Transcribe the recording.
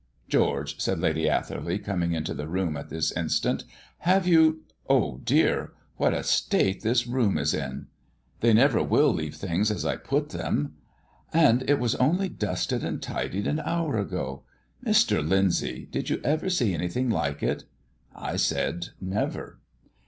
"George," said Lady Atherley, coming into the room at this instant; "have you oh, dear! what a state this room is in!" "It is the housemaids. They never will leave things as I put them." "And it was only dusted and tidied an hour ago. Mr. Lyndsay, did you ever see anything like it?" I said "Never."